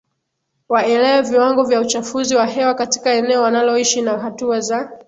waelewe viwango vya uchafuzi wa hewa katika eneo wanaloishi na hatua za